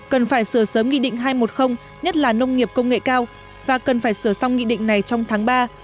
cần phải sửa sớm nghị định hai trăm một mươi nhất là nông nghiệp công nghệ cao và cần phải sửa xong nghị định này trong tháng ba